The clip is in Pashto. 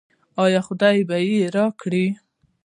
آیا خدای به یې راکړي؟